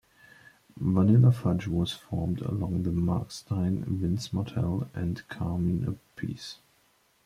Vanilla Fudge was formed along with Mark Stein, Vince Martell, and Carmine Appice.